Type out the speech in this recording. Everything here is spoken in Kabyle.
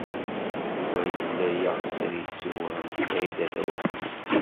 Yuba yella yeɣs ad yessewhem Saɛida Tawasift.